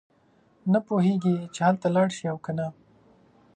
نه پوهېږي چې هلته لاړ شي او کنه.